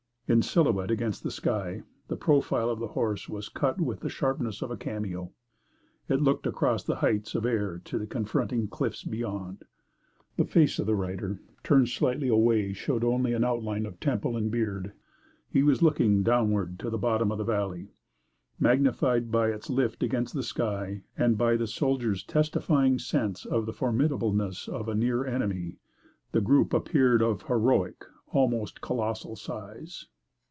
In silhouette against the sky, the profile of the horse was cut with the sharpness of a cameo; it looked across the heights of air to the confronting cliffs beyond. The face of the rider, turned slightly away, showed only an outline of temple and beard; he was looking downward to the bottom of the valley. Magnified by its lift against the sky and by the soldier's testifying sense of the formidableness of a near enemy, the group appeared of heroic, almost colossal, size.